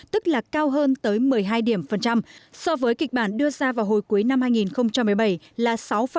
tức là cao hơn tới một mươi hai điểm so với kịch bản đưa ra vào hồi cuối năm hai nghìn một mươi bảy là sáu bảy mươi một